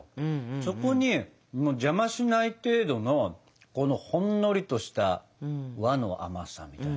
そこに邪魔しない程度のこのほんのりとした和の甘さみたいな。